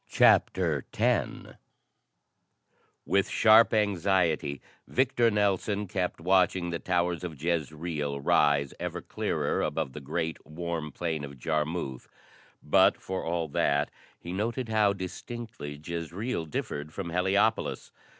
CHAPTER X With sharp anxiety, Victor Nelson kept watching the towers of Jezreel rise ever clearer above the great, warm plain of Jarmuth, but, for all that, he noted how distinctly Jezreel differed from Heliopolis.